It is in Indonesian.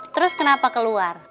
terus kenapa keluar